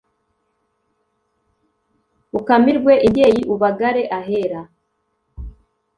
ukamirwe imbyeyi ubagare ahera